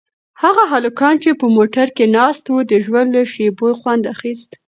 هغه هلکان چې په موټر کې ناست وو د ژوند له شېبو خوند اخیست.